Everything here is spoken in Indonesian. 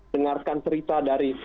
dengarkan cerita dari